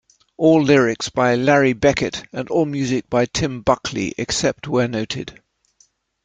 All lyrics by Larry Beckett and all music by Tim Buckley, except where noted.